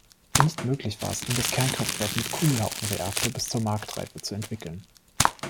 Nicht möglich war es ihm, das Kernkraftwerk mit Kugelhaufenreaktor bis zur Marktreife zu entwickeln.